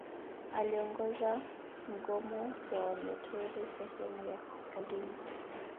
Aliongoza mgomo wa Wanyaturu sehemu ya kaskazini